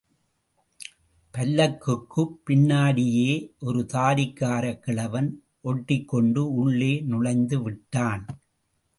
பல்லக்குக்குப் பின்னாடியே ஒரு தாடிக்காரக் கிழவன் ஒட்டிக்கொண்டு உள்ளே நுழைந்து விட்டான்.